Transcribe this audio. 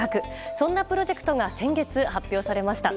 そんなプロジェクトが先月、発表されました。